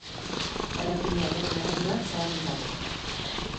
Errepidearen errei bat zabalik dago.